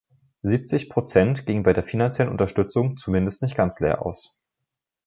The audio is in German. Siebzig Prozent gingen bei der finanziellen Unterstützung zumindest nicht ganz leer aus.